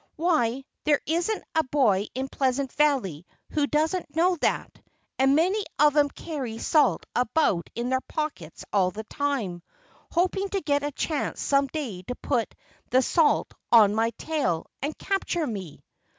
"Why, there isn't a boy in Pleasant Valley who doesn't know that; and many of 'em carry salt about in their pockets all the time, hoping to get a chance some day to put the salt on my tail, and capture me!"